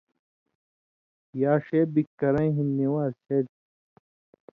یا ݜے بِگ کرَیں ہِن نِوان٘ز شریۡ تھُو۔